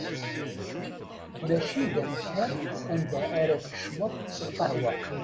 Mačči d amkan anda ara tkecmeḍ s lqahwa.